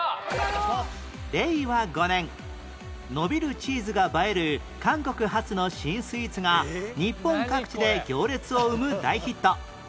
令和５年伸びるチーズが映える韓国発の新スイーツが日本各地で行列を生む大ヒット